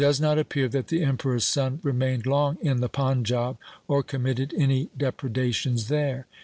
It does not appear that the Emperor's son remained long in the Panjab or committed any depredations there.